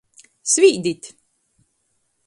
Svīdit!